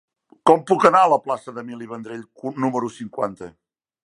Com puc anar a la plaça d'Emili Vendrell número cinquanta?